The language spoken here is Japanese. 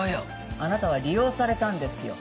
あなたは利用されたんですよ。